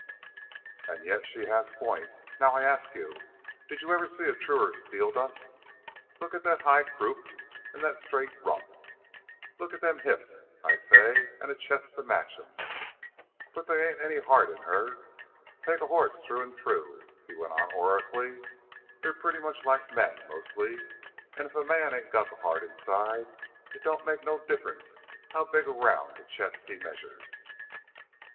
"And yet she has points. Now, I ask you, did you ever see a truer Steeldust? Look at that high croup and that straight rump. Look at them hips, I say, and a chest to match 'em. But they ain't any heart in her. Take a hoss through and through," he went on oracularly, "they're pretty much like men, mostly, and if a man ain't got the heart inside, it don't make no difference how big around the chest he measures."